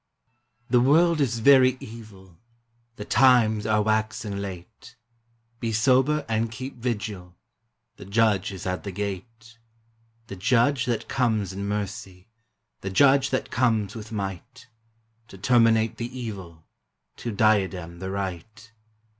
"] The world is very evil, The times are waxing late; Be sober and keep vigil, The Judge is at the gate, — The Judge that conies in mercy, The Judge that comes with might, To terminate the evil, To diadem the right.